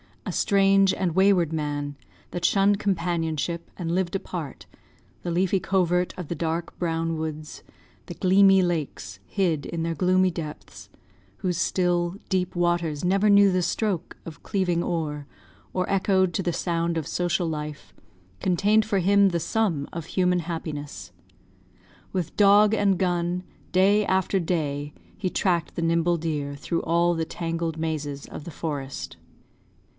A strange and wayward man, That shunn'd companionship, and lived apart; The leafy covert of the dark brown woods, The gleamy lakes, hid in their gloomy depths, Whose still, deep waters never knew the stroke Of cleaving oar, or echoed to the sound Of social life, contained for him the sum Of human happiness. With dog and gun, Day after day he track'd the nimble deer Through all the tangled mazes of the forest."